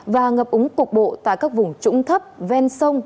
và ngập úng cục bộ tại các vùng trũng thấp ven sông